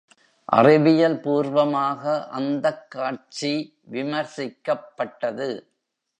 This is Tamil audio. அறிவியல்பூர்வமாக அந்தக் காட்சி விமர்சிக்கப்பட்டது.